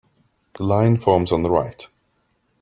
The line forms on the right.